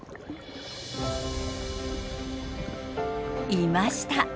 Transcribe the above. いました。